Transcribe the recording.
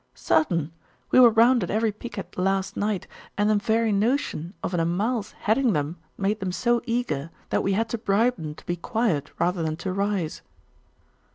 'Certain. We were round at every picquet last night, and the very notion of an Amal's heading them made them so eager, that we had to bribe them to be quiet rather than to rise.